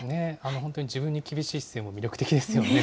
本当に自分に厳しい姿勢も魅力的ですよね。